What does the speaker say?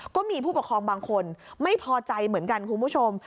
ก็มีผู้ปกครองบางคนไม่พอใจเหมือนกันคุณผู้ชม